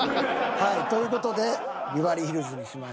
はいという事でビバリーヒルズにしました。